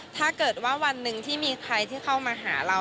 ถ้าเกิดว่าวันหนึ่งที่มีใครที่เข้ามาหาเรา